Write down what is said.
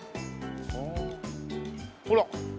ほら。